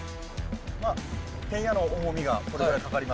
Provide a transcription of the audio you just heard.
まあテンヤの重みがこれぐらいかかりますね。